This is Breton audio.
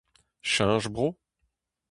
Cheñch bro ?